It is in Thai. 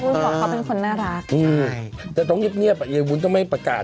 คุณบอกเขาเป็นคนน่ารักใช่แต่ต้องเงียบอย่ายูนด้วยไม่ประกาศ